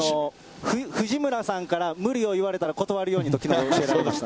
藤村さんから、無理を言われたら断るようにと、きのう教えられま